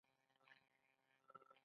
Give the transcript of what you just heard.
آیا د کاناډا د کورونو بازار ګرم نه دی؟